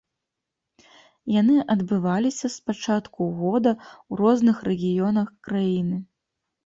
Яны адбываліся з пачатку года ў розных рэгіёнах краіны.